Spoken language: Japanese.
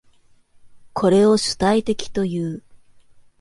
これを主体的という。